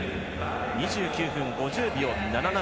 ２９分５０秒７７。